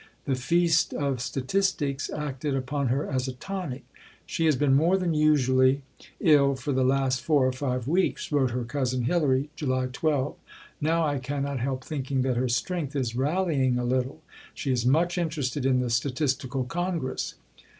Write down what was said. The feast of statistics acted upon her as a tonic. "She has been more than usually ill for the last four or five weeks," wrote her cousin Hilary (July 12); "now I cannot help thinking that her strength is rallying a little; she is much interested in the Statistical Congress."